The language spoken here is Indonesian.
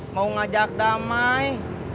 mau ngajak damai